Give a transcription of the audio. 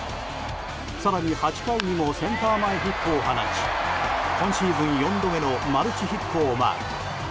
更に８回にもセンター前ヒットを放ち今シーズン４度目のマルチヒットをマーク。